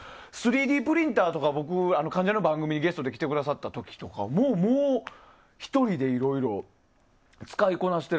３Ｄプリンターとか僕、関ジャニの番組でゲストに来てくださった時とかもう１人で、いろいろ使いこなして